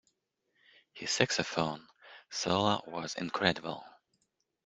His saxophone solo was incredible.